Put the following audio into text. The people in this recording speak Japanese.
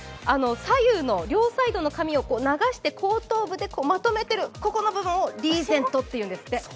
左右の両サイドの髪を流して後頭部でまとめている部分をリーゼントというんですって。